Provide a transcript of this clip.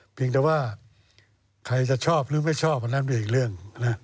เพียงแต่ว่าใครจะชอบหรือไม่ชอบอันนั้นเป็นอีกเรื่อง